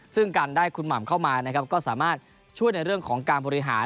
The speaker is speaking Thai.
ซึ่งการได้คุณหม่ำเข้ามานะครับก็สามารถช่วยในเรื่องของการบริหาร